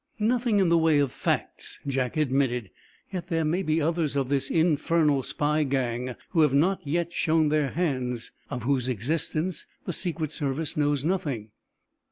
"Nothing in the way of facts," Jack admitted. "Yet there may be others of this infernal spy gang who have not yet shown their hands, of whose existence the Secret Service knows nothing."